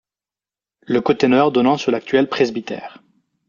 Le côté nord donnant sur l'actuel presbytère.